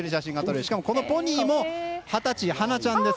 しかもこのポニーも二十歳なんです。